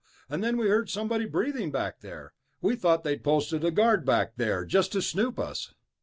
And then we heard somebody breathing back there ... we thought they'd posted a guard back there, just to snoop us."